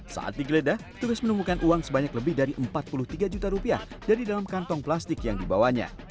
saat digeledah tugas menemukan uang sebanyak lebih dari empat puluh tiga juta rupiah dari dalam kantong plastik yang dibawanya